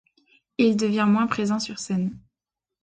Il devient moins présent sur scène.